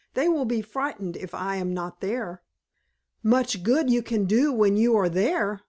"They will be frightened if I am not there." "Much good you can do when you are there!"